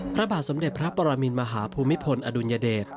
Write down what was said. พระบาทสมเด็จพระปรมินมหาภูมิพลอดุลยเดช